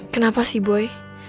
kenapa sih boy